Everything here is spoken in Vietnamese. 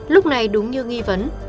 lúc này đúng như nghi vấn